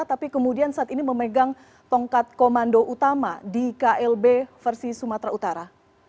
tapi kemudian saat ini memegang tongkat komando utama di klb versi sumatera utara